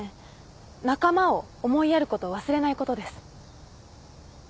仲間を思いやることを忘れないことです。